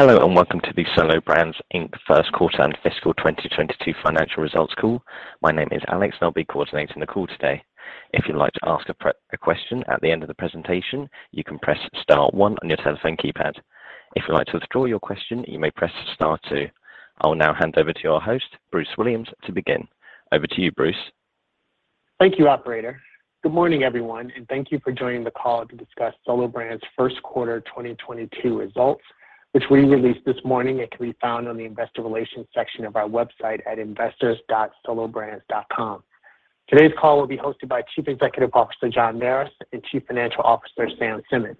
Hello, and welcome to the Solo Brands, Inc. first quarter and fiscal 2022 financial results call. My name is Alex and I'll be coordinating the call today. If you'd like to ask a question at the end of the presentation, you can press star one on your telephone keypad. If you'd like to withdraw your question, you may press star two. I will now hand over to your host, Bruce Williams, to begin. Over to you, Bruce. Thank you, operator. Good morning, everyone, and thank you for joining the call to discuss Solo Brands' first quarter 2022 results, which we released this morning and can be found on the investor relations section of our website at investors.solobrands.com. Today's call will be hosted by Chief Executive Officer, John Merris, and Chief Financial Officer, Sam Simmons.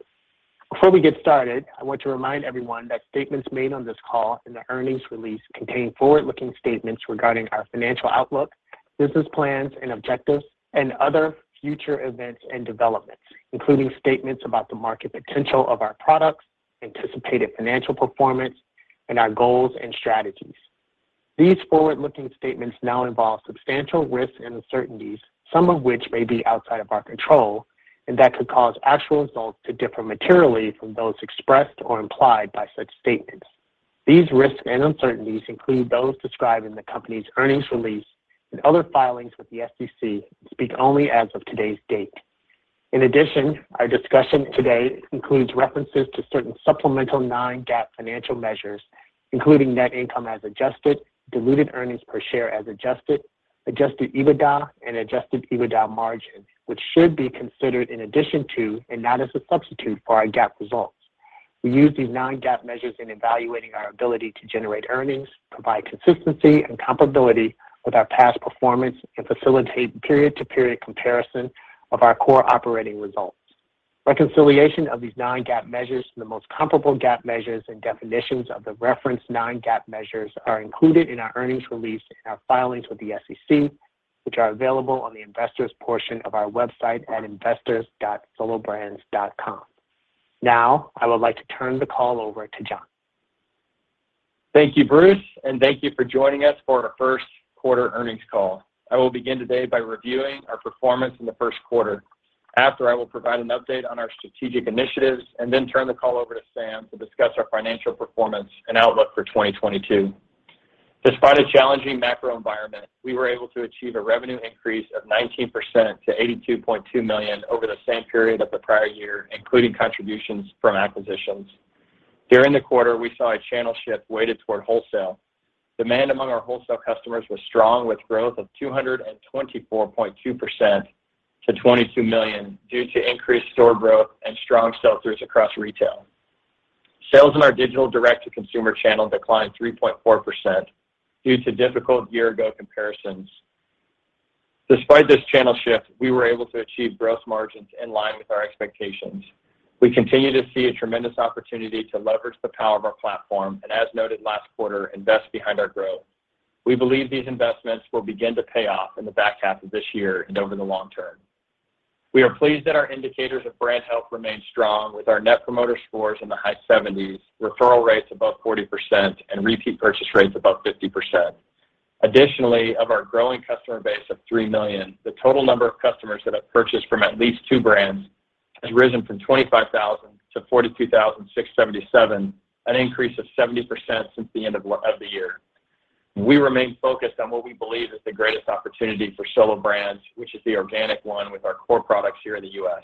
Before we get started, I want to remind everyone that statements made on this call and the earnings release contain forward-looking statements regarding our financial outlook, business plans and objectives, and other future events and developments, including statements about the market potential of our products, anticipated financial performance, and our goals and strategies. These forward-looking statements not involve substantial risks and uncertainties, some of which may be outside of our control, and that could cause actual results to differ materially from those expressed or implied by such statements. These risks and uncertainties include those described in the company's earnings release and other filings with the SEC, and speak only as of today's date. In addition, our discussion today includes references to certain supplemental non-GAAP financial measures, including net income as adjusted, diluted earnings per share as adjusted EBITDA and adjusted EBITDA margin, which should be considered in addition to and not as a substitute for our GAAP results. We use these non-GAAP measures in evaluating our ability to generate earnings, provide consistency and comparability with our past performance, and facilitate period-to-period comparison of our core operating results. Reconciliation of these non-GAAP measures to the most comparable GAAP measures and definitions of the referenced non-GAAP measures are included in our earnings release and our filings with the SEC, which are available on the investors' portion of our website at investors.solobrands.com. Now, I would like to turn the call over to John. Thank you, Bruce, and thank you for joining us for our first quarter earnings call. I will begin today by reviewing our performance in the first quarter. After, I will provide an update on our strategic initiatives and then turn the call over to Sam to discuss our financial performance and outlook for 2022. Despite a challenging macro environment, we were able to achieve a revenue increase of 19% to $82.2 million over the same period of the prior year, including contributions from acquisitions. During the quarter, we saw a channel shift weighted toward wholesale. Demand among our wholesale customers was strong, with growth of 224.2% to $22 million due to increased store growth and strong sell-throughs across retail. Sales in our digital direct-to-consumer channel declined 3.4% due to difficult year-ago comparisons. Despite this channel shift, we were able to achieve gross margins in line with our expectations. We continue to see a tremendous opportunity to leverage the power of our platform, and as noted last quarter, invest behind our growth. We believe these investments will begin to pay off in the back half of this year and over the long term. We are pleased that our indicators of brand health remain strong with our Net Promoter Score in the high 70s, referral rates above 40%, and repeat purchase rates above 50%. Additionally, of our growing customer base of 3 million, the total number of customers that have purchased from at least two brands has risen from 25,000 to 42,677, an increase of 70% since the end of the year. We remain focused on what we believe is the greatest opportunity for Solo Brands, which is the organic one with our core products here in the U.S.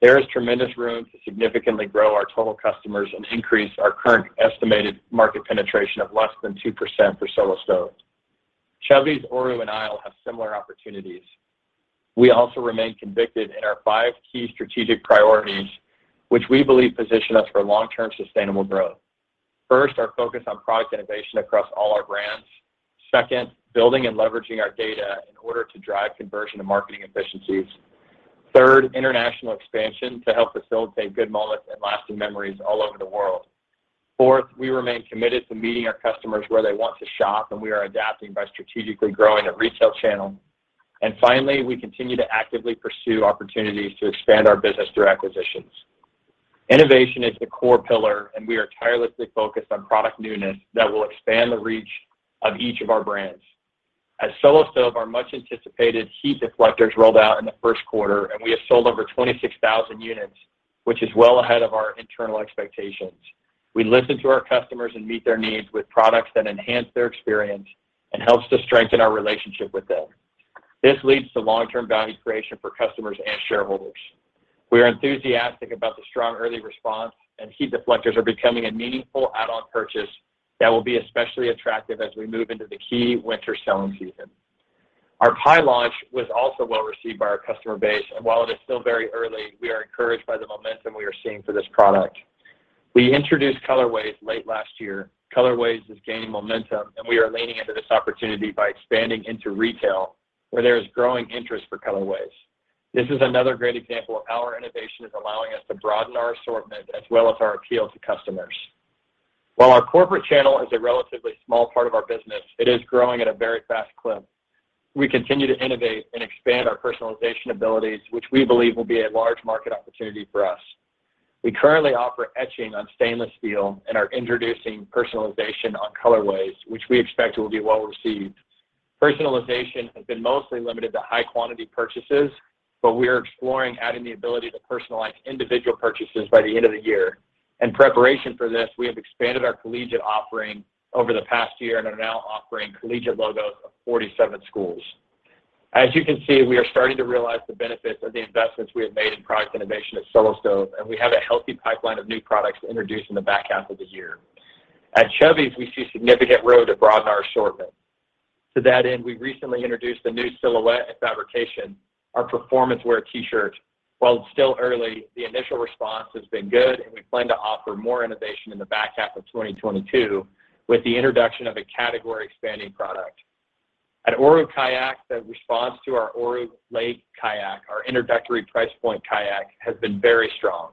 There is tremendous room to significantly grow our total customers and increase our current estimated market penetration of less than 2% for Solo Stove. Chubbies, Oru and ISLE have similar opportunities. We also remain convicted in our five key strategic priorities which we believe position us for long-term sustainable growth. First, our focus on product innovation across all our brands. Second, building and leveraging our data in order to drive conversion to marketing efficiencies. Third, international expansion to help facilitate good moments and lasting memories all over the world. Fourth, we remain committed to meeting our customers where they want to shop, and we are adapting by strategically growing a retail channel. Finally, we continue to actively pursue opportunities to expand our business through acquisitions. Innovation is the core pillar, and we are tirelessly focused on product newness that will expand the reach of each of our brands. At Solo Stove, our much anticipated Heat Deflectors rolled out in the first quarter, and we have sold over 26,000 units, which is well ahead of our internal expectations. We listen to our customers and meet their needs with products that enhance their experience and helps to strengthen our relationship with them. This leads to long-term value creation for customers and shareholders. We are enthusiastic about the strong early response, and Heat Deflectors are becoming a meaningful add-on purchase that will be especially attractive as we move into the key winter selling season. Our Pi launch was also well received by our customer base, and while it is still very early, we are encouraged by the momentum we are seeing for this product. We introduced Colorways late last year. Colorways is gaining momentum, and we are leaning into this opportunity by expanding into retail where there is growing interest for Colorways. This is another great example of how our innovation is allowing us to broaden our assortment as well as our appeal to customers. While our corporate channel is a relatively small part of our business, it is growing at a very fast clip. We continue to innovate and expand our personalization abilities, which we believe will be a large market opportunity for us. We currently offer etching on stainless steel and are introducing personalization on Colorways, which we expect will be well received. Personalization has been mostly limited to high quantity purchases, but we are exploring adding the ability to personalize individual purchases by the end of the year. In preparation for this, we have expanded our collegiate offering over the past year and are now offering collegiate logos of 47 schools. As you can see, we are starting to realize the benefits of the investments we have made in product innovation at Solo Stove, and we have a healthy pipeline of new products to introduce in the back half of the year. At Chubbies, we see significant room to broaden our assortment. To that end, we recently introduced a new silhouette and fabrication, our performance wear T-shirt. While it's still early, the initial response has been good, and we plan to offer more innovation in the back half of 2022 with the introduction of a category expanding product. At Oru Kayak, the response to our Oru Lake Kayak, our introductory price point kayak, has been very strong.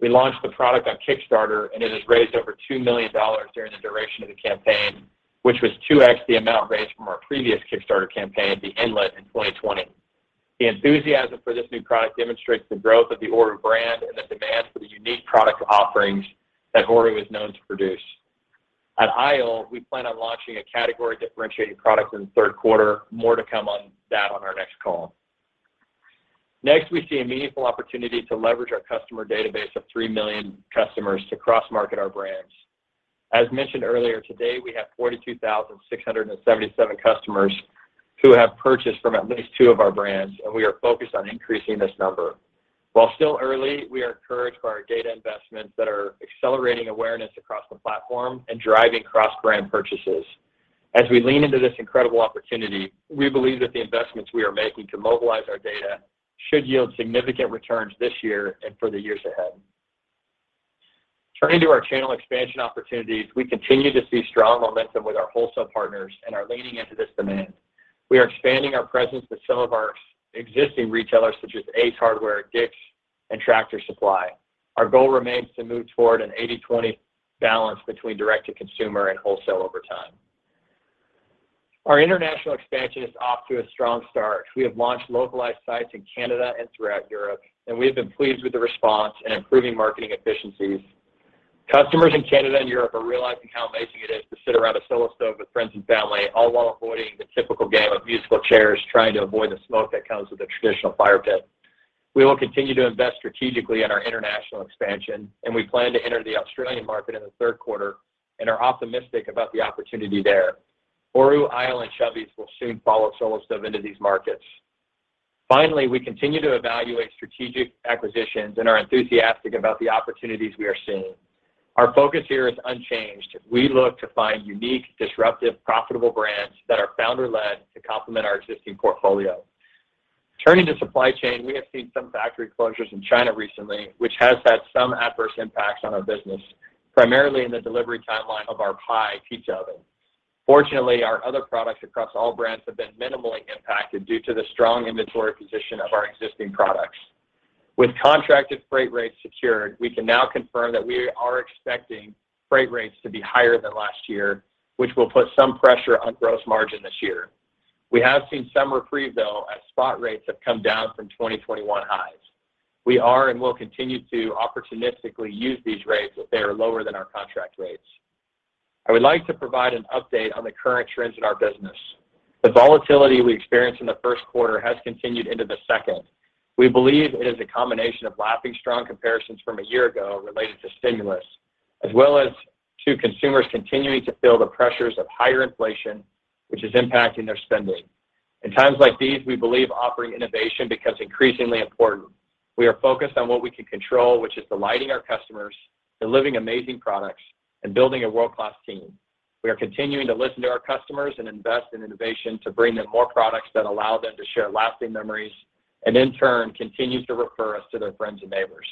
We launched the product on Kickstarter, and it has raised over $2 million during the duration of the campaign, which was 2x the amount raised from our previous Kickstarter campaign, the Inlet, in 2020. The enthusiasm for this new product demonstrates the growth of the Oru brand and the demand for the unique product offerings that Oru is known to produce. At ISLE, we plan on launching a category differentiating product in the third quarter. More to come on that on our next call. Next, we see a meaningful opportunity to leverage our customer database of 3 million customers to cross-market our brands. As mentioned earlier today, we have 42,677 customers who have purchased from at least two of our brands, and we are focused on increasing this number. While still early, we are encouraged by our data investments that are accelerating awareness across the platform and driving cross-brand purchases. As we lean into this incredible opportunity, we believe that the investments we are making to mobilize our data should yield significant returns this year and for the years ahead. Turning to our channel expansion opportunities, we continue to see strong momentum with our wholesale partners and are leaning into this demand. We are expanding our presence with some of our existing retailers, such as Ace Hardware, DICK'S, and Tractor Supply. Our goal remains to move toward an 80/20 balance between direct-to-consumer and wholesale over time. Our international expansion is off to a strong start. We have launched localized sites in Canada and throughout Europe, and we have been pleased with the response and improving marketing efficiencies. Customers in Canada and Europe are realizing how amazing it is to sit around a Solo Stove with friends and family, all while avoiding the typical game of musical chairs, trying to avoid the smoke that comes with a traditional fire pit. We will continue to invest strategically in our international expansion, and we plan to enter the Australian market in the third quarter and are optimistic about the opportunity there. Oru, ISLE, and Chubbies will soon follow Solo Stove into these markets. Finally, we continue to evaluate strategic acquisitions and are enthusiastic about the opportunities we are seeing. Our focus here is unchanged. We look to find unique, disruptive, profitable brands that are founder-led to complement our existing portfolio. Turning to supply chain, we have seen some factory closures in China recently, which has had some adverse impacts on our business, primarily in the delivery timeline of our Pi pizza oven. Fortunately, our other products across all brands have been minimally impacted due to the strong inventory position of our existing products. With contracted freight rates secured, we can now confirm that we are expecting freight rates to be higher than last year, which will put some pressure on gross margin this year. We have seen some reprieve, though, as spot rates have come down from 2021 highs. We are and will continue to opportunistically use these rates if they are lower than our contract rates. I would like to provide an update on the current trends in our business. The volatility we experienced in the first quarter has continued into the second. We believe it is a combination of lapping strong comparisons from a year ago related to stimulus, as well as to consumers continuing to feel the pressures of higher inflation, which is impacting their spending. In times like these, we believe offering innovation becomes increasingly important. We are focused on what we can control, which is delighting our customers, delivering amazing products, and building a world-class team. We are continuing to listen to our customers and invest in innovation to bring them more products that allow them to share lasting memories, and in turn, continue to refer us to their friends and neighbors.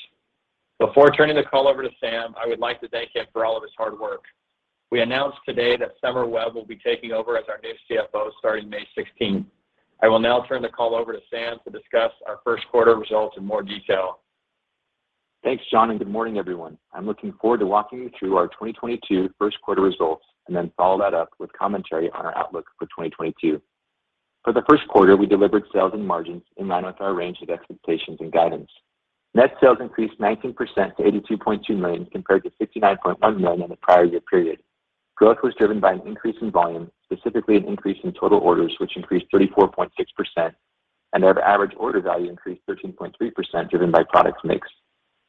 Before turning the call over to Sam, I would like to thank him for all of his hard work. We announced today that Somer Webb will be taking over as our new CFO starting May 16th. I will now turn the call over to Sam to discuss our first quarter results in more detail. Thanks, John, and good morning, everyone. I'm looking forward to walking you through our 2022 first quarter results and then follow that up with commentary on our outlook for 2022. For the first quarter, we delivered sales and margins in line with our range of expectations and guidance. Net sales increased 19% to $82.2 million, compared to $69.1 million in the prior year period. Growth was driven by an increase in volume, specifically an increase in total orders, which increased 34.6%, and our average order value increased 13.3%, driven by product mix,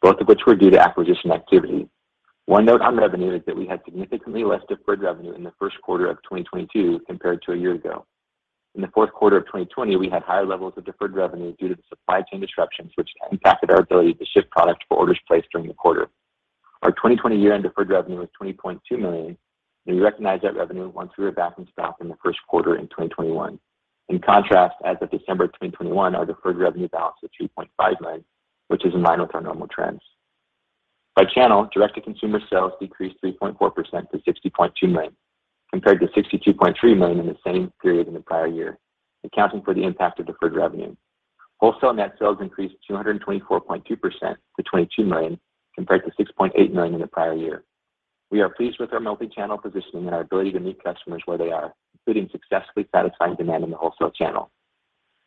both of which were due to acquisition activity. One note on revenue is that we had significantly less deferred revenue in the first quarter of 2022 compared to a year ago. In the fourth quarter of 2020, we had higher levels of deferred revenue due to the supply chain disruptions which impacted our ability to ship product for orders placed during the quarter. Our 2020 year-end deferred revenue was $20.2 million, and we recognized that revenue once we were back in stock in the first quarter in 2021. In contrast, as of December of 2021, our deferred revenue balance was $3.5 million, which is in line with our normal trends. By channel, direct-to-consumer sales decreased 3.4% to $60.2 million, compared to $62.3 million in the same period in the prior year, accounting for the impact of deferred revenue. Wholesale net sales increased 224.2% to $22 million, compared to $6.8 million in the prior year. We are pleased with our multichannel positioning and our ability to meet customers where they are, including successfully satisfying demand in the wholesale channel.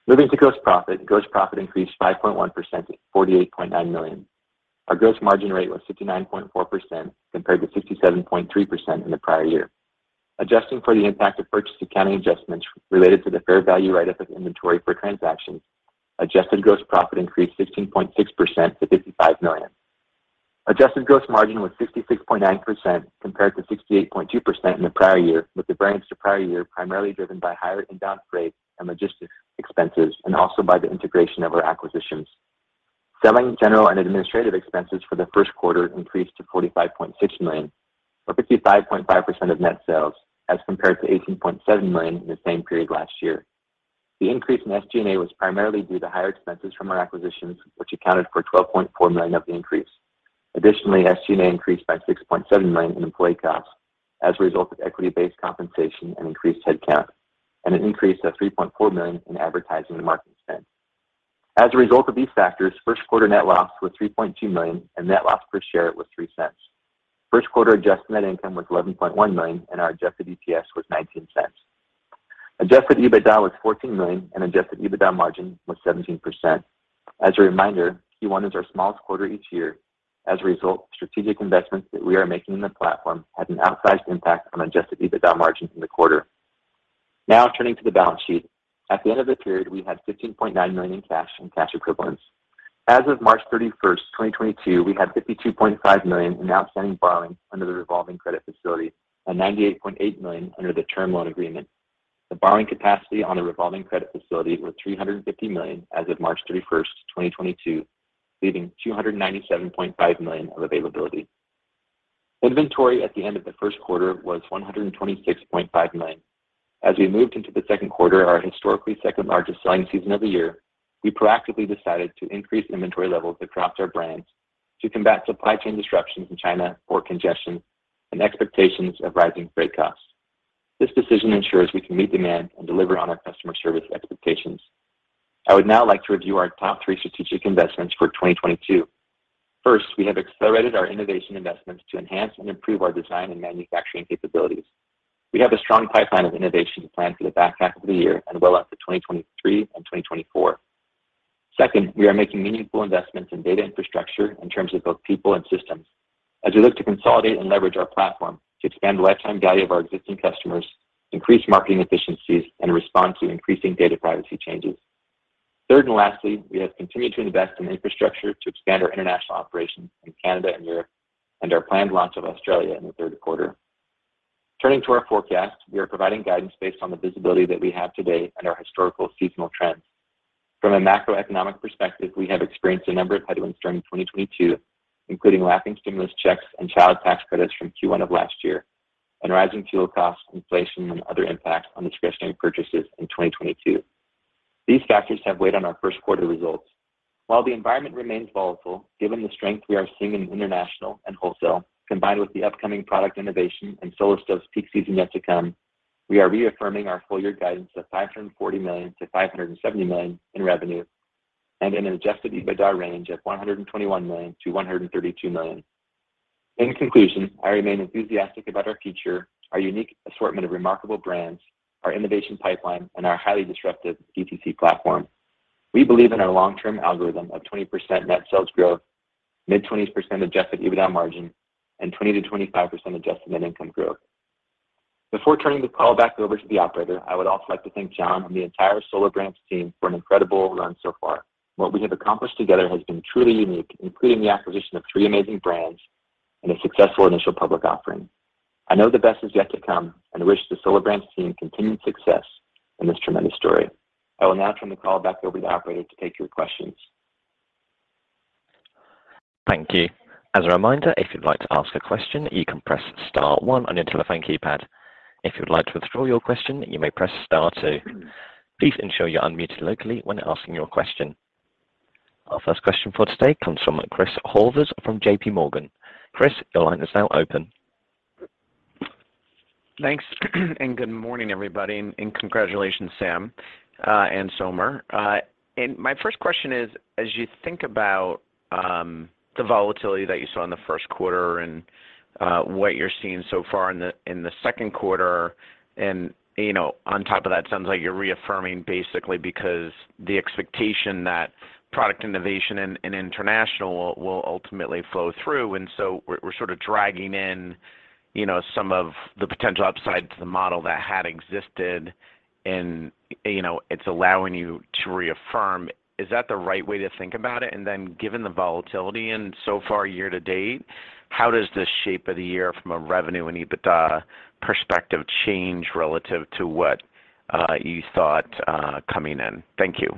Moving to gross profit. Gross profit increased 5.1% to $48.9 million. Our gross margin rate was 69.4% compared to 67.3% in the prior year. Adjusting for the impact of purchase accounting adjustments related to the fair value write-up of inventory for transactions, adjusted gross profit increased 15.6% to $55 million. Adjusted gross margin was 66.9% compared to 68.2% in the prior year, with the variance to prior year primarily driven by higher inbound freight and logistics expenses, and also by the integration of our acquisitions. Selling, general, and administrative expenses for the first quarter increased to $45.6 million, or 55.5% of net sales as compared to $18.7 million in the same period last year. The increase in SG&A was primarily due to higher expenses from our acquisitions, which accounted for $12.4 million of the increase. Additionally, SG&A increased by $6.7 million in employee costs as a result of equity-based compensation and increased headcount, and an increase of $3.4 million in advertising and marketing spend. As a result of these factors, first quarter net loss was $3.2 million, and net loss per share was $0.03. First quarter adjusted net income was $11.1 million, and our adjusted EPS was $0.19. Adjusted EBITDA was $14 million, and adjusted EBITDA margin was 17%. As a reminder, Q1 is our smallest quarter each year. As a result, strategic investments that we are making in the platform had an outsized impact on adjusted EBITDA margin in the quarter. Now turning to the balance sheet. At the end of the period, we had $15.9 million in cash and cash equivalents. As of March 31, 2022, we had $52.5 million in outstanding borrowings under the revolving credit facility and $98.8 million under the term loan agreement. The borrowing capacity on the revolving credit facility was $350 million as of March 31, 2022, leaving $297.5 million of availability. Inventory at the end of the first quarter was $126.5 million. As we moved into the second quarter, our historically second-largest selling season of the year, we proactively decided to increase inventory levels across our brands to combat supply chain disruptions in China, port congestion, and expectations of rising freight costs. This decision ensures we can meet demand and deliver on our customer service expectations. I would now like to review our top three strategic investments for 2022. First, we have accelerated our innovation investments to enhance and improve our design and manufacturing capabilities. We have a strong pipeline of innovation planned for the back half of the year and well out to 2023 and 2024. Second, we are making meaningful investments in data infrastructure in terms of both people and systems as we look to consolidate and leverage our platform to expand the lifetime value of our existing customers, increase marketing efficiencies, and respond to increasing data privacy changes. Third and lastly, we have continued to invest in infrastructure to expand our international operations in Canada and Europe and our planned launch of Australia in the third quarter. Turning to our forecast, we are providing guidance based on the visibility that we have today and our historical seasonal trends. From a macroeconomic perspective, we have experienced a number of headwinds during 2022, including lacking stimulus checks and child tax credits from Q1 of last year and rising fuel costs, inflation, and other impacts on discretionary purchases in 2022. These factors have weighed on our first quarter results. While the environment remains volatile, given the strength we are seeing in international and wholesale, combined with the upcoming product innovation and Solo Stove's peak season yet to come, we are reaffirming our full year guidance of $540 million-$570 million in revenue and an adjusted EBITDA range of $121 million-$132 million. In conclusion, I remain enthusiastic about our future, our unique assortment of remarkable brands, our innovation pipeline, and our highly disruptive DTC platform. We believe in our long-term algorithm of 20% net sales growth, mid-20s% adjusted EBITDA margin, and 20%-25% adjusted net income growth. Before turning the call back over to the operator, I would also like to thank John and the entire Solo Brands team for an incredible run so far. What we have accomplished together has been truly unique, including the acquisition of three amazing brands and a successful initial public offering. I know the best is yet to come, and I wish the Solo Brands team continued success in this tremendous story. I will now turn the call back over to the operator to take your questions. Thank you. As a reminder, if you'd like to ask a question, you can press star one on your telephone keypad. If you'd like to withdraw your question, you may press star two. Please ensure you're unmuted locally when asking your question. Our first question for today comes from Chris Horvers from JPMorgan. Chris, your line is now open. Thanks and good morning, everybody, and congratulations, Sam, and Somer. My first question is, as you think about the volatility that you saw in the first quarter and what you're seeing so far in the second quarter and, you know, on top of that, sounds like you're reaffirming basically because the expectation that product innovation and international will ultimately flow through. We're sort of dragging in, you know, some of the potential upside to the model that had existed and, you know, it's allowing you to reaffirm. Is that the right way to think about it? Given the volatility and so far year to date, how does the shape of the year from a revenue and EBITDA perspective change relative to what you thought coming in? Thank you.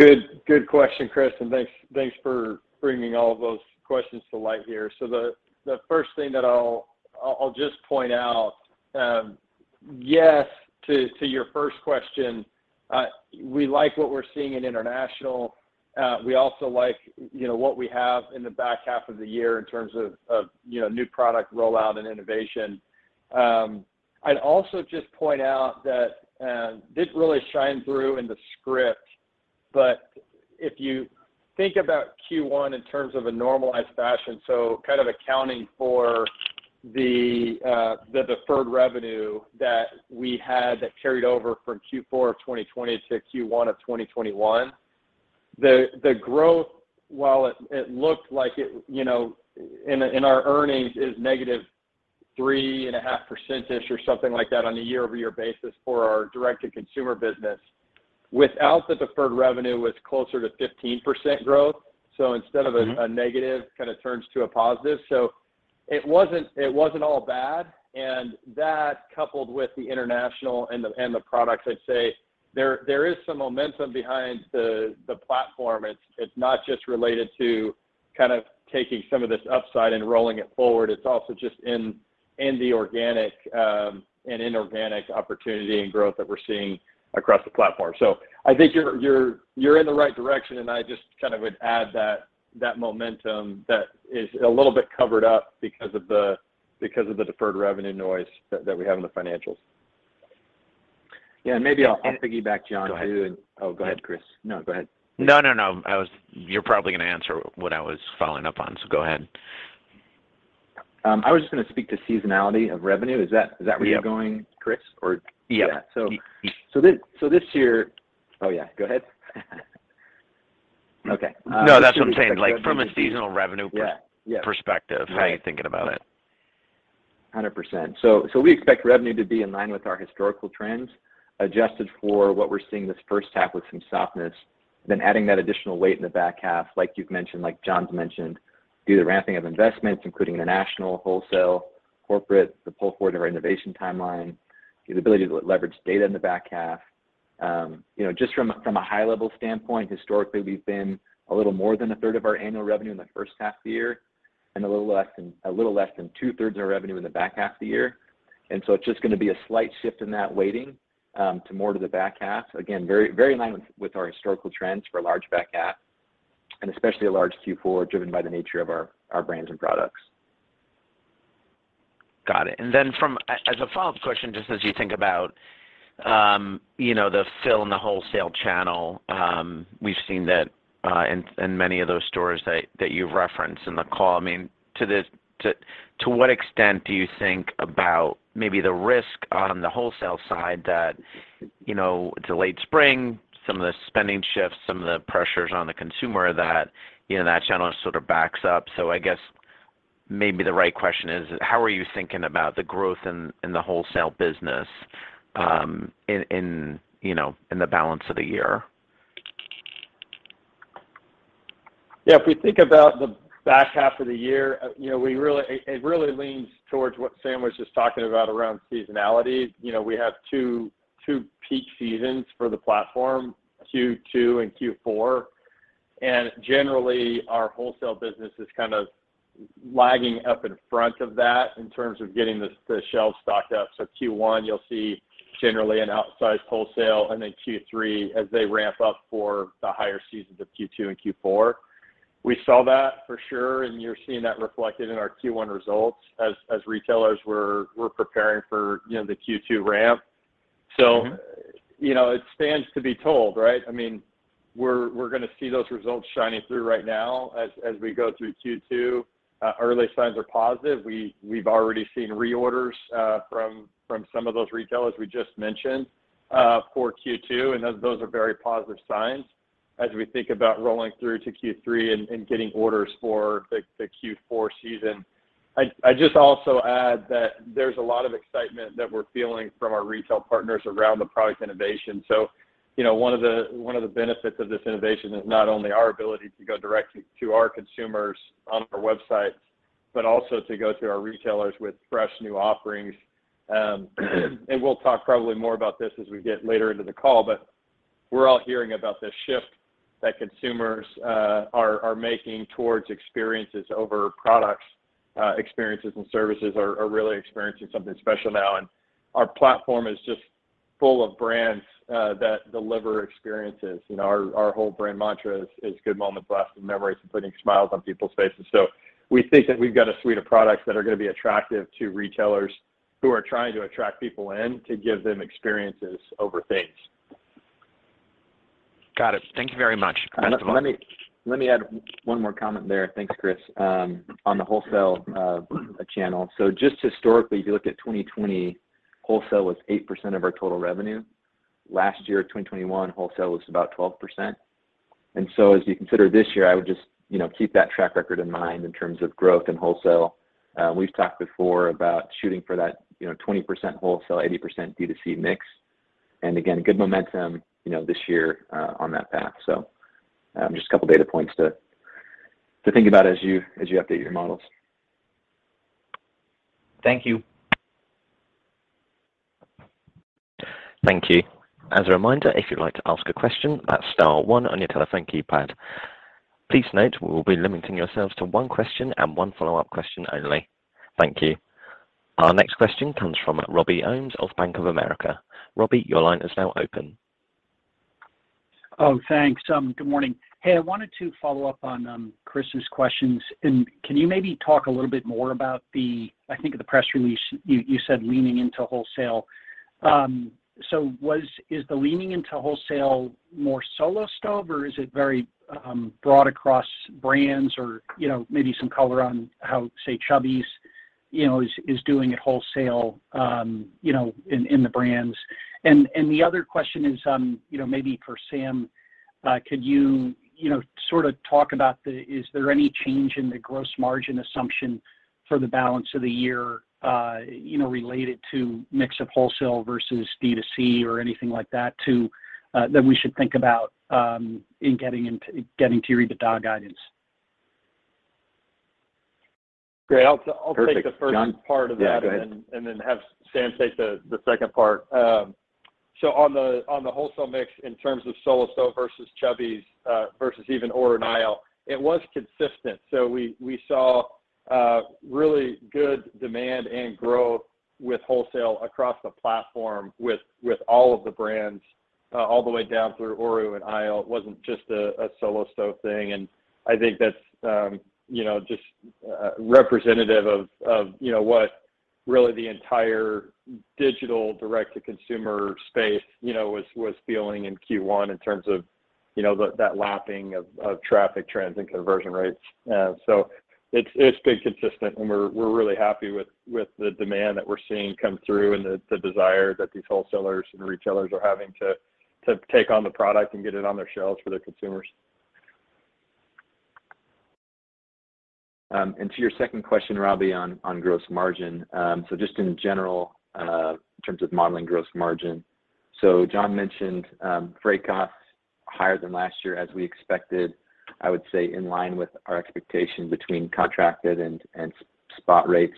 Good question, Chris, and thanks for bringing all of those questions to light here. The first thing that I'll just point out, yes to your first question. We like what we're seeing in international. We also like, you know, what we have in the back half of the year in terms of, you know, new product rollout and innovation. I'd also just point out that this really shined through in the script. If you think about Q1 in terms of a normalized fashion, so kind of accounting for the deferred revenue that we had that carried over from Q4 of 2020 to Q1 of 2021, the growth, while it looked like it, you know, in our earnings is -3.5%-ish or something like that on a year-over-year basis for our direct-to-consumer business. Without the deferred revenue, it was closer to 15% growth. Instead of a negative kind of turns to a positive. It wasn't all bad, and that coupled with the international and the products, I'd say there is some momentum behind the platform. It's not just related to kind of taking some of this upside and rolling it forward. It's also just in the organic and inorganic opportunity and growth that we're seeing across the platform. I think you're in the right direction, and I just kind of would add that momentum that is a little bit covered up because of the deferred revenue noise that we have in the financials. Yeah, maybe I'll piggyback on John too. Go ahead. Oh, go ahead, Chris. No, go ahead. No, no. You're probably gonna answer what I was following up on, so go ahead. I was just gonna speak to seasonality of revenue. Is that where you're going, Chris? Yeah. Yeah. This year. Oh, yeah. Go ahead. Okay. No, that's what I'm saying. Like, from a seasonal revenue perspective, how are you thinking about it? 100%. We expect revenue to be in line with our historical trends, adjusted for what we're seeing this first half with some softness, then adding that additional weight in the back half, like you've mentioned, like John's mentioned, due to the ramping of investments, including international, wholesale, corporate, the pull forward in our innovation timeline, the ability to leverage data in the back half. You know, just from a high level standpoint, historically, we've been a little more than a third of our annual revenue in the first half of the year and a little less than 2/3 of our revenue in the back half of the year. It's just gonna be a slight shift in that weighting to more to the back half. Again, very, very in line with our historical trends for a large back half, and especially a large Q4 driven by the nature of our brands and products. Got it. As a follow-up question, just as you think about, you know, the fill in the wholesale channel, we've seen that in many of those stores that you've referenced in the call. I mean, to what extent do you think about maybe the risk on the wholesale side that, you know, it's a late spring, some of the spending shifts, some of the pressures on the consumer that, you know, that channel sort of backs up. I guess maybe the right question is. How are you thinking about the growth in the wholesale business, in you know, in the balance of the year? Yeah, if we think about the back half of the year, you know, it really leans towards what Sam was just talking about around seasonality. You know, we have two peak seasons for the platform, Q2 and Q4. Generally, our wholesale business is kind of leading up in front of that in terms of getting the shelves stocked up. Q1, you'll see generally an outsized wholesale, and then Q3 as they ramp up for the higher seasons of Q2 and Q4. We saw that for sure, and you're seeing that reflected in our Q1 results as retailers were preparing for, you know, the Q2 ramp. You know, it stands to be told, right? I mean, we're gonna see those results shining through right now as we go through Q2. Early signs are positive. We've already seen reorders from some of those retailers we just mentioned for Q2, and those are very positive signs as we think about rolling through to Q3 and getting orders for the Q4 season. I just also add that there's a lot of excitement that we're feeling from our retail partners around the product innovation. You know, one of the benefits of this innovation is not only our ability to go directly to our consumers on our websites, but also to go to our retailers with fresh new offerings. We'll talk probably more about this as we get later into the call, but we're all hearing about this shift that consumers are making towards experiences over products. Experiences and services are really experiencing something special now, and our platform is just full of brands that deliver experiences. You know, our whole brand mantra is good moments lasting memories and putting smiles on people's faces. We think that we've got a suite of products that are gonna be attractive to retailers who are trying to attract people in to give them experiences over things. Got it. Thank you very much. Next one. Let me add one more comment there, thanks, Chris, on the wholesale channel. Just historically, if you look at 2020, wholesale was 8% of our total revenue. Last year, 2021, wholesale was about 12%. As you consider this year, I would just, you know, keep that track record in mind in terms of growth in wholesale. We've talked before about shooting for that, you know, 20% wholesale, 80% D2C mix. Again, good momentum, you know, this year, on that path. Just a couple data points to think about as you update your models. Thank you. Thank you. As a reminder, if you'd like to ask a question, that's star one on your telephone keypad. Please note, we will be limiting yourselves to one question and one follow-up question only. Thank you. Our next question comes from Robby Ohmes of Bank of America. Robby, your line is now open. Oh, thanks. Good morning. Hey, I wanted to follow up on Chris's questions. Can you maybe talk a little bit more about the. I think in the press release, you said leaning into wholesale. Is the leaning into wholesale more Solo Stove or is it very broad across brands or, you know, maybe some color on how, say, Chubbies, you know, is doing at wholesale, you know, in the brands. The other question is, you know, maybe for Sam, could you know, sort of talk about, is there any change in the gross margin assumption for the balance of the year, you know, related to mix of wholesale versus D2C or anything like that to that we should think about in getting to EBITDA guidance? Great. I'll take the first part of that. Yeah, go ahead.... have Sam take the second part. On the wholesale mix in terms of Solo Stove versus Chubbies versus even Oru and ISLE, it was consistent. We saw really good demand and growth with wholesale across the platform with all of the brands all the way down through Oru and ISLE. It wasn't just a Solo Stove thing, and I think that's you know just representative of you know what really the entire digital direct to consumer space you know was feeling in Q1 in terms of you know that lapping of traffic trends and conversion rates. It's been consistent and we're really happy with the demand that we're seeing come through and the desire that these wholesalers and retailers are having to take on the product and get it on their shelves for their consumers. To your second question, Robby, on gross margin. Just in general, in terms of modeling gross margin, John mentioned freight costs higher than last year as we expected. I would say in line with our expectation between contracted and spot rates.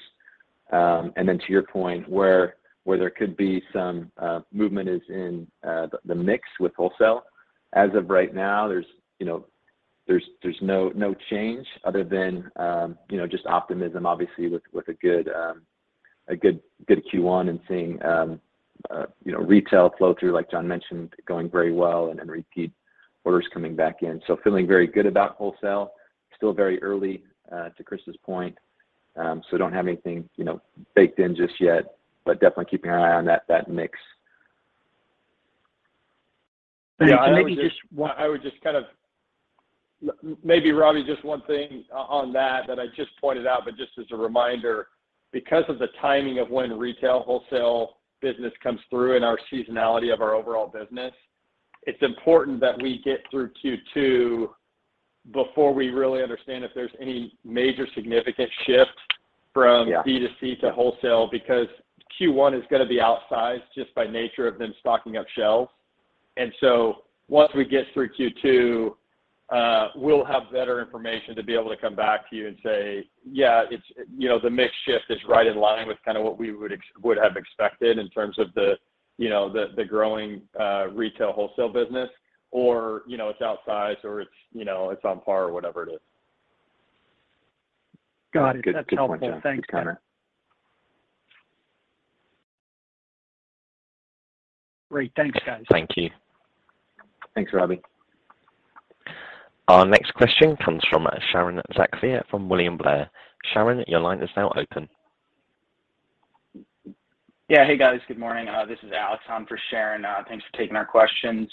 Then to your point where there could be some movement is in the mix with wholesale. As of right now, there's no change other than just optimism obviously with a good Q1 and seeing retail flow through, like John mentioned, going very well and then repeat orders coming back in. Feeling very good about wholesale. Still very early, to Chris's point, so don't have anything, you know, baked in just yet, but definitely keeping our eye on that mix. Great. Maybe just one, I would just maybe Robby, just one thing on that that I just pointed out, but just as a reminder, because of the timing of when retail wholesale business comes through in our seasonality of our overall business, it's important that we get through Q2 before we really understand if there's any major significant shift from D2C to wholesale because Q1 is gonna be outsized just by nature of them stocking up shelves. Once we get through Q2, we'll have better information to be able to come back to you and say, "Yeah, it's, you know, the mix shift is right in line with kind of what we would have expected in terms of the, you know, the growing retail wholesale business," or, you know, it's outsized or it's, you know, it's on par or whatever it is. Got it. Good. Good point, John. That's helpful. Thanks, gentlemen. Good point. Great. Thanks, guys. Thank you. Thanks, Robby. Our next question comes from Sharon Zackfia from William Blair. Sharon, your line is now open. Yeah. Hey guys. Good morning. This is Alex on for Sharon. Thanks for taking our questions.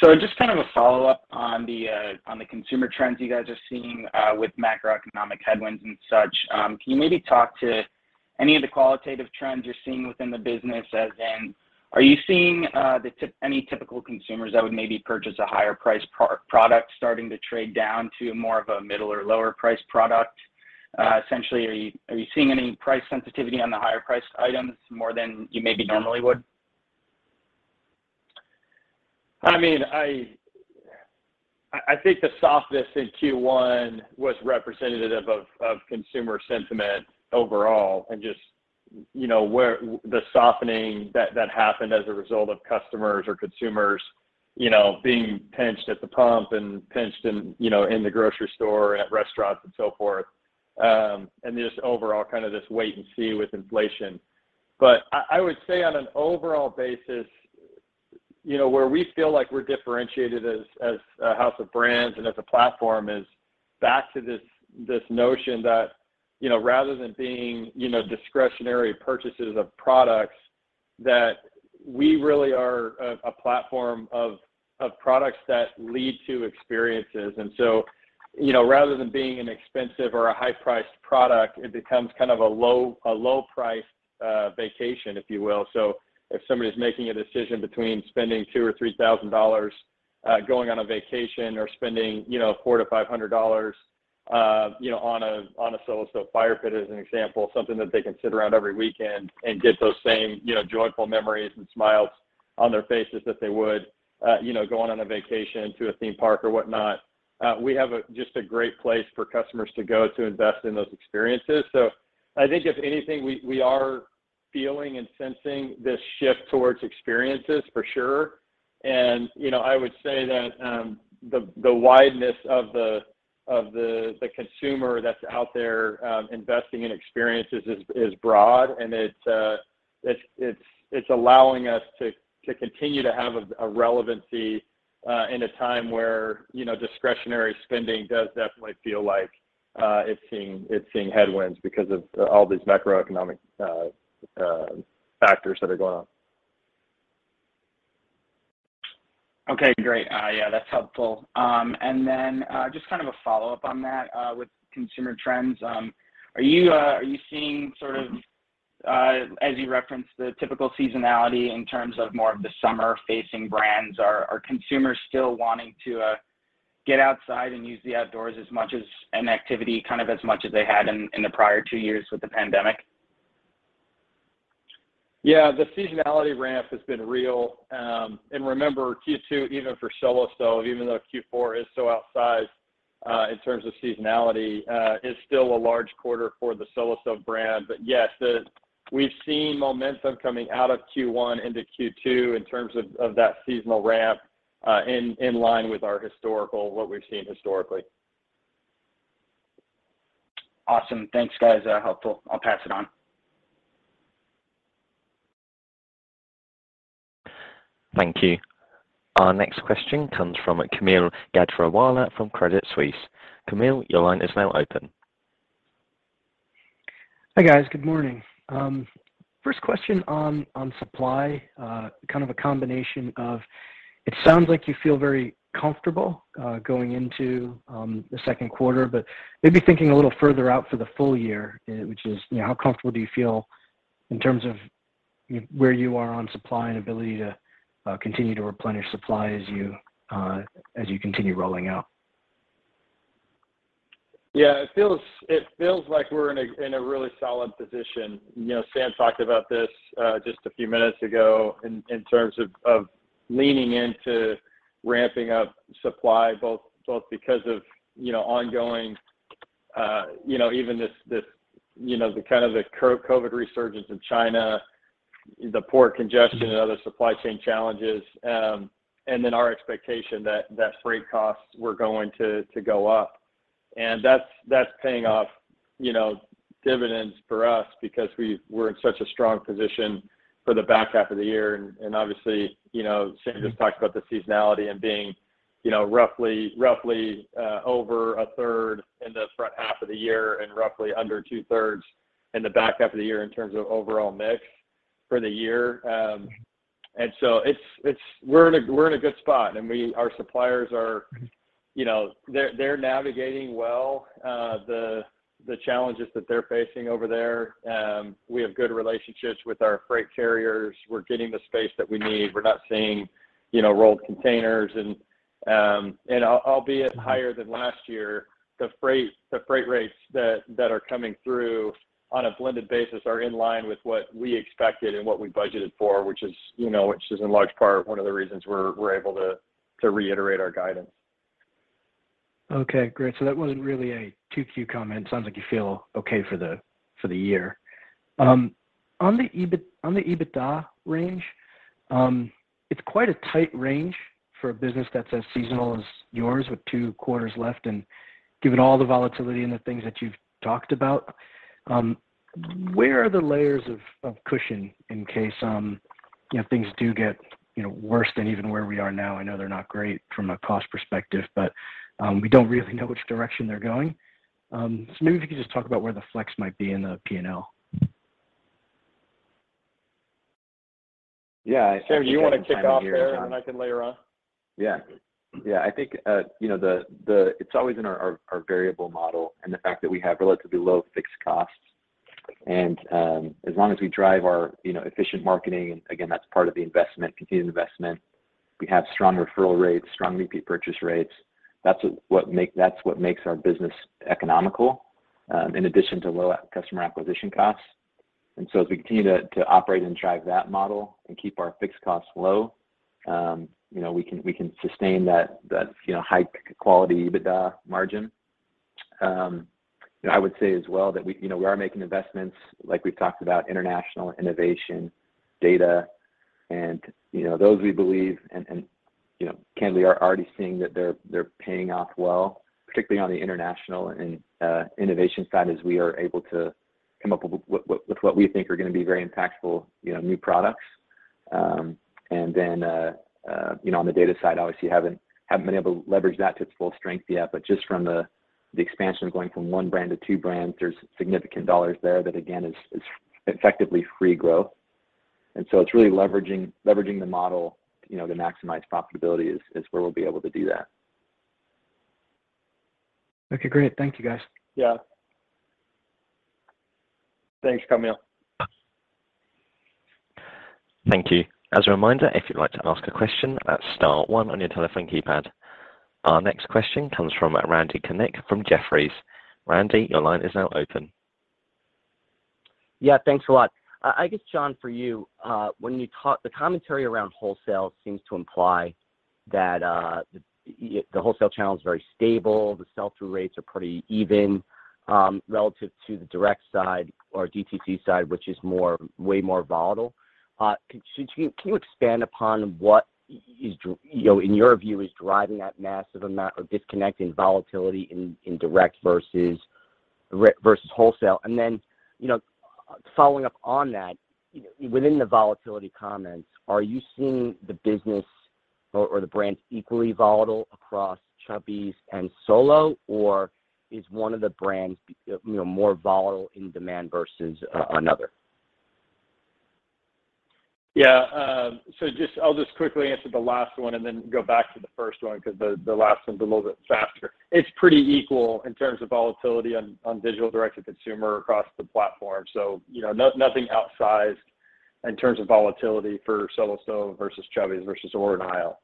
So just kind of a follow-up on the consumer trends you guys are seeing with macroeconomic headwinds and such. Can you maybe talk to any of the qualitative trends you're seeing within the business, as in are you seeing any typical consumers that would maybe purchase a higher priced product starting to trade down to more of a middle or lower priced product? Essentially, are you seeing any price sensitivity on the higher priced items more than you maybe normally would? I mean, I think the softness in Q1 was representative of consumer sentiment overall and just, you know, the softening that happened as a result of customers or consumers, you know, being pinched at the pump and pinched in, you know, in the grocery store, at restaurants and so forth. Just overall kind of this wait and see with inflation. But I would say on an overall basis, you know, where we feel like we're differentiated as a house of brands and as a platform is back to this notion that, you know, rather than being, you know, discretionary purchases of products, that we really are a platform of products that lead to experiences. You know, rather than being an expensive or a high priced product, it becomes kind of a low priced vacation, if you will. If somebody's making a decision between spending $2,000 or $3,000 going on a vacation or spending, you know, $400-$500 you know, on a Solo Stove fire pit, as an example, something that they can sit around every weekend and get those same, you know, joyful memories and smiles on their faces that they would, you know, going on a vacation to a theme park or whatnot, we have just a great place for customers to go to invest in those experiences. I think if anything, we are feeling and sensing this shift towards experiences for sure. You know, I would say that the wideness of the consumer that's out there investing in experiences is broad and it's allowing us to continue to have a relevancy in a time where, you know, discretionary spending does definitely feel like it's seeing headwinds because of all these macroeconomic factors that are going on. Okay, great. Yeah, that's helpful. Just kind of a follow-up on that, with consumer trends. Are you seeing sort of, as you referenced the typical seasonality in terms of more of the summer facing brands, are consumers still wanting to get outside and use the outdoors as much as an activity, kind of as much as they had in the prior two years with the pandemic? Yeah. The seasonality ramp has been real. Remember, Q2, even for Solo Stove, even though Q4 is so outsized in terms of seasonality, is still a large quarter for the Solo Stove brand. Yes, we've seen momentum coming out of Q1 into Q2 in terms of that seasonal ramp, in line with our historical, what we've seen historically. Awesome. Thanks, guys. Helpful. I'll pass it on. Thank you. Our next question comes from Kaumil Gajrawala from Credit Suisse. Kaumil, your line is now open. Hi, guys. Good morning. First question on supply. Kind of a combination of, it sounds like you feel very comfortable going into the second quarter, but maybe thinking a little further out for the full year, which is, you know, how comfortable do you feel in terms of where you are on supply and ability to continue to replenish supply as you continue rolling out? Yeah. It feels like we're in a really solid position. You know, Sam talked about this just a few minutes ago in terms of leaning into ramping up supply both because of, you know, ongoing, even this, you know, the current COVID resurgence in China, the port congestion and other supply chain challenges, and then our expectation that freight costs were going to go up. That's paying off, you know, dividends for us because we're in such a strong position for the back half of the year. Obviously, you know, Sam just talked about the seasonality and being, you know, roughly over 1/3 in the front half of the year and roughly under 2/3 in the back half of the year in terms of overall mix for the year. We're in a good spot, and we, our suppliers are, you know. They're navigating well, the challenges that they're facing over there. We have good relationships with our freight carriers. We're getting the space that we need. We're not seeing, you know, rolled containers. Albeit higher than last year, the freight rates that are coming through on a blended basis are in line with what we expected and what we budgeted for, which is, you know, in large part one of the reasons we're able to reiterate our guidance. Okay, great. That wasn't really a 2Q comment. Sounds like you feel okay for the year. On the EBITDA range, it's quite a tight range for a business that's as seasonal as yours with two quarters left. Given all the volatility and the things that you've talked about, where are the layers of cushion in case, you know, things do get, you know, worse than even where we are now? I know they're not great from a cost perspective, but we don't really know which direction they're going. Maybe if you could just talk about where the flex might be in the P&L. Yeah. I think that. Sam, you wanna kick off there, and then I can layer on? Yeah. Yeah. I think it's always in our variable model and the fact that we have relatively low fixed costs. As long as we drive our efficient marketing, and again, that's part of the investment, continued investment, we have strong referral rates, strong repeat purchase rates. That's what makes our business economical, in addition to low customer acquisition costs. As we continue to operate and drive that model and keep our fixed costs low, we can sustain that high quality EBITDA margin. You know, I would say as well that we, you know, we are making investments, like we've talked about international, innovation, data, and, you know, those we believe and, you know, candidly are already seeing that they're paying off well, particularly on the international and, you know, on the data side, obviously haven't been able to leverage that to its full strength yet. But just from the expansion of going from one brand to two brands, there's significant dollars there that again is effectively free growth. It's really leveraging the model, you know, to maximize profitability is where we'll be able to do that. Okay, great. Thank you, guys. Yeah. Thanks, Kaumil. Thank you. As a reminder, if you'd like to ask a question, that's star one on your telephone keypad. Our next question comes from Randy Konik from Jefferies. Randy, your line is now open. Yeah. Thanks a lot. I guess, John, for you, when you talk. The commentary around wholesale seems to imply that the wholesale channel is very stable. The sell-through rates are pretty even relative to the direct side or DTC side, which is way more volatile. So can you expand upon what, you know, in your view is driving that massive amount of disconnect and volatility in direct versus wholesale. Then, you know, following up on that, you know, within the volatility comments, are you seeing the business or the brands equally volatile across Chubbies and Solo? Or is one of the brands, you know, more volatile in demand versus another? Yeah. So just, I'll just quickly answer the last one and then go back to the first one because the last one's a little bit faster. It's pretty equal in terms of volatility on digital direct-to-consumer across the platform. So, you know, nothing outsized in terms of volatility for Solo Stove versus Chubbies, versus Oru and ISLE.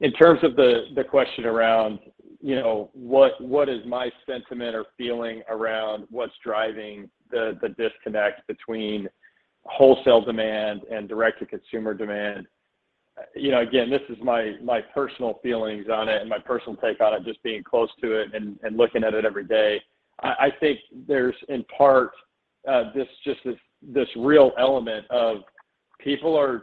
In terms of the question around, you know, what is my sentiment or feeling around what's driving the disconnect between wholesale demand and direct-to-consumer demand. You know, again, this is my personal feelings on it and my personal take on it, just being close to it and looking at it every day. I think there's in part just this real element of people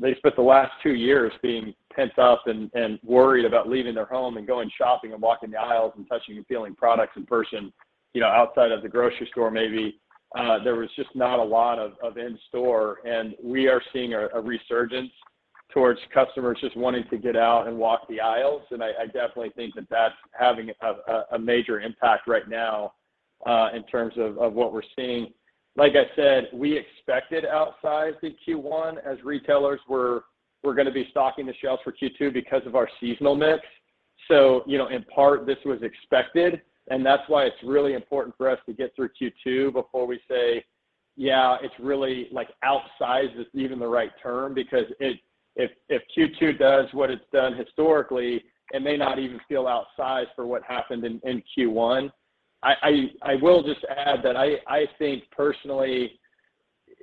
they spent the last two years being pent up and worried about leaving their home and going shopping and walking the aisles and touching and feeling products in person, you know, outside of the grocery store, maybe. There was just not a lot of in-store. We are seeing a resurgence towards customers just wanting to get out and walk the aisles. I definitely think that that's having a major impact right now, in terms of what we're seeing. Like I said, we expected outsized in Q1 as retailers gonna be stocking the shelves for Q2 because of our seasonal mix. You know, in part this was expected, and that's why it's really important for us to get through Q2 before we say, "Yeah, it's really like outsized is even the right term," because if Q2 does what it's done historically, it may not even feel outsized for what happened in Q1. I will just add that I think personally,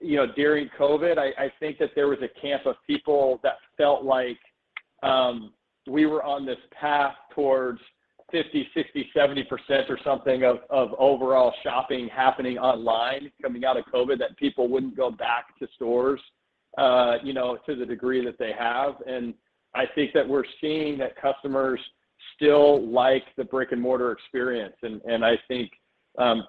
you know, during COVID, I think that there was a camp of people that felt like we were on this path towards 50%, 60%, 70%, or something of overall shopping happening online coming out of COVID that people wouldn't go back to stores, you know, to the degree that they have. I think,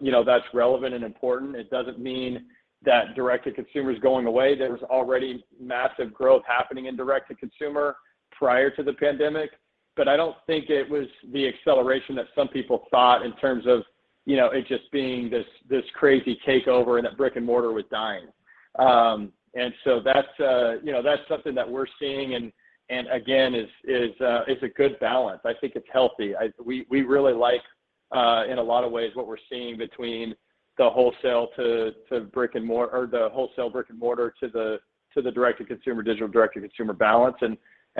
you know, that's relevant and important. It doesn't mean that direct-to-consumer is going away. There was already massive growth happening in direct-to-consumer prior to the pandemic, but I don't think it was the acceleration that some people thought in terms of, you know, it just being this crazy takeover and that brick-and-mortar was dying. That's, you know, that's something that we're seeing and again, is a good balance. I think it's healthy. We really like, in a lot of ways what we're seeing between the wholesale to brick-and-mortar or the wholesale brick-and-mortar to the direct-to-consumer, digital direct-to-consumer balance.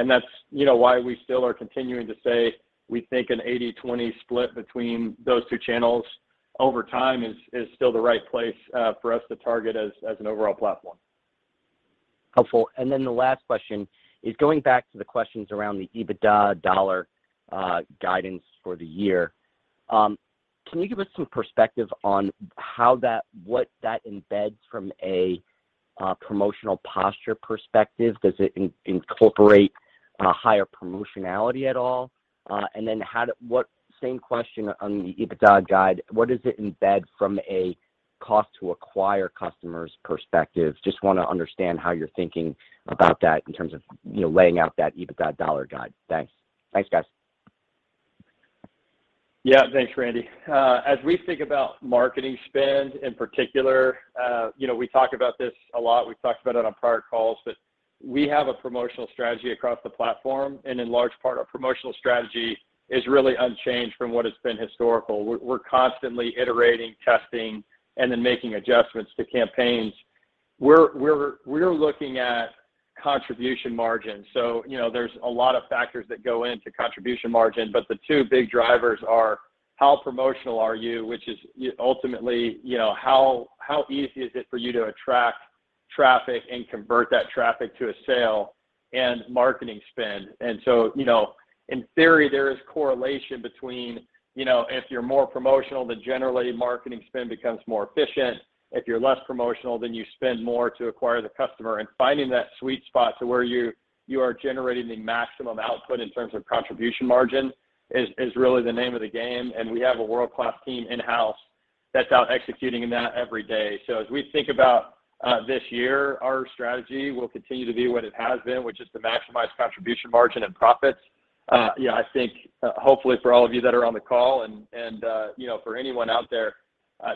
That's, you know, why we still are continuing to say we think an 80/20 split between those two channels over time is still the right place, for us to target as an overall platform. Helpful. The last question is going back to the questions around the EBITDA dollar guidance for the year. Can you give us some perspective on what that embeds from a promotional posture perspective? Does it incorporate a higher promotionality at all? Same question on the EBITDA guide. What does it embed from a cost to acquire customers perspective? Just wanna understand how you're thinking about that in terms of, you know, laying out that EBITDA dollar guide. Thanks. Thanks, guys. Yeah. Thanks, Randy. As we think about marketing spend in particular, you know, we talk about this a lot. We've talked about it on prior calls, but we have a promotional strategy across the platform. In large part our promotional strategy is really unchanged from what has been historical. We're constantly iterating, testing, and then making adjustments to campaigns. We're looking at contribution margin. You know, there's a lot of factors that go into contribution margin, but the two big drivers are how promotional are you, which is ultimately, you know, how easy is it for you to attract traffic and convert that traffic to a sale and marketing spend. You know, in theory there is correlation between, you know, if you're more promotional, then generally marketing spend becomes more efficient. If you're less promotional, then you spend more to acquire the customer. Finding that sweet spot to where you are generating the maximum output in terms of contribution margin is really the name of the game. We have a world-class team in-house that's out executing in that every day. As we think about this year, our strategy will continue to be what it has been, which is to maximize contribution margin and profits. You know, I think hopefully for all of you that are on the call and you know, for anyone out there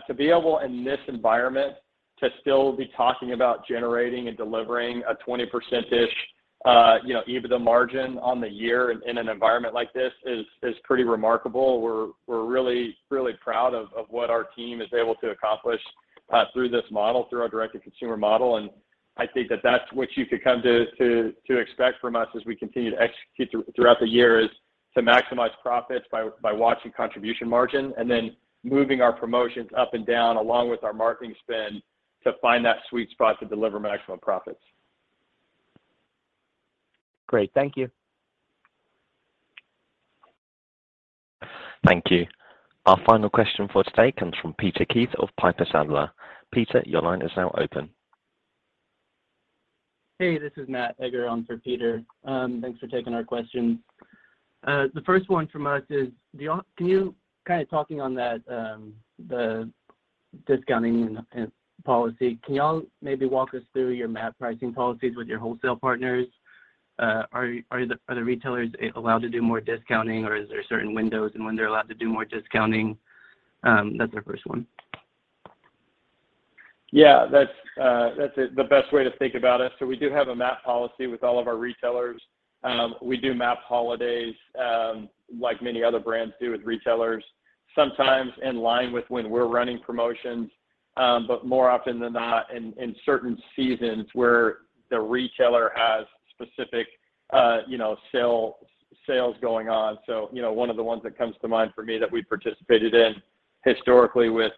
to be able in this environment to still be talking about generating and delivering a 20%-ish EBITDA margin on the year in an environment like this is pretty remarkable. We're really proud of what our team is able to accomplish through this model, through our direct-to-consumer model. I think that that's what you could come to expect from us as we continue to execute throughout the year, is to maximize profits by watching contribution margin and then moving our promotions up and down along with our marketing spend to find that sweet spot to deliver maximum profits. Great. Thank you. Thank you. Our final question for today comes from Peter Keith of Piper Sandler. Peter, your line is now open. Hey, this is Matt Egger on for Peter. Thanks for taking our questions. The first one from us is, kinda talking on that, the discounting and policy, can y'all maybe walk us through your MAP pricing policies with your wholesale partners? Are the retailers allowed to do more discounting, or is there certain windows in which they're allowed to do more discounting? That's our first one. Yeah. That's the best way to think about it. We do have a MAP policy with all of our retailers. We do MAP holidays, like many other brands do with retailers. Sometimes in line with when we're running promotions, but more often than not in certain seasons where the retailer has specific, you know, sales going on. One of the ones that comes to mind for me that we participated in historically with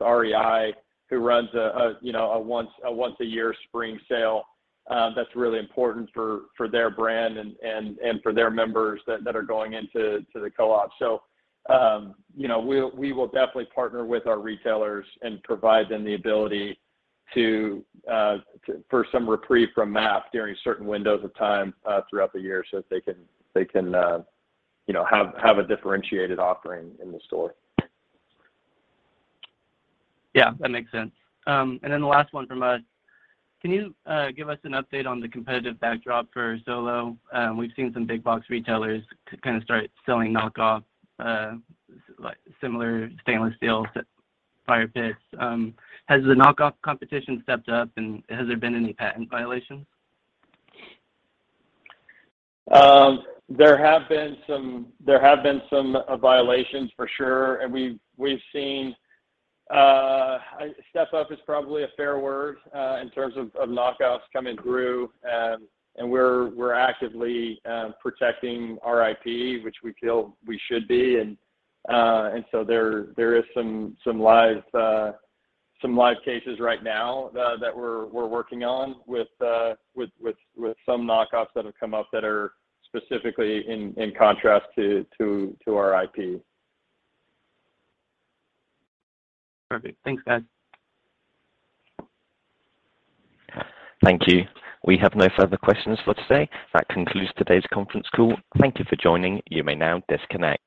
REI, who runs a once a year spring sale, that's really important for their brand and for their members that are going into the co-op. You know, we'll. We will definitely partner with our retailers and provide them the ability to for some reprieve from MAP during certain windows of time throughout the year so that they can, you know, have a differentiated offering in the store. Yeah, that makes sense. The last one from us, can you give us an update on the competitive backdrop for Solo? We've seen some big box retailers kind of start selling knockoff like similar stainless steel fire pits. Has the knockoff competition stepped up, and has there been any patent violations? There have been some violations for sure. We've seen step up is probably a fair word in terms of knockoffs coming through. We're actively protecting our IP, which we feel we should be. There is some live cases right now that we're working on with some knockoffs that have come up that are specifically in contrast to our IP. Perfect. Thanks, guys. Thank you. We have no further questions for today. That concludes today's conference call. Thank you for joining. You may now disconnect.